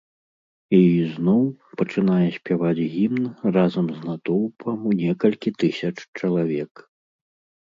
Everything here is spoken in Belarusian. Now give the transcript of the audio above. І ізноў пачынае спяваць гімн разам з натоўпам у некалькі тысяч чалавек.